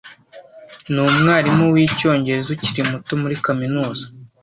Ni umwarimu wicyongereza ukiri muto muri kaminuza.